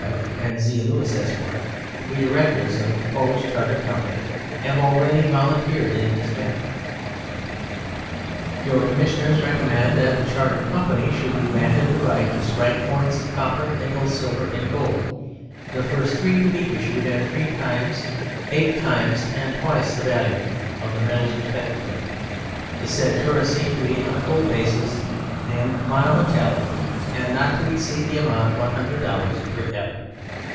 and Z. Lewis, Esq. (to be directors of the proposed Chartered Company) have already volunteered in this matter. Your Commissioners recommend that the Chartered Company should be granted the right to strike coins of copper, nickel, silver and gold, the first three to be issued at three times eight times and twice the value of the metals respectively, the said currency to be on a gold basis and mono metallic and not to exceed the amount of $100 per capita.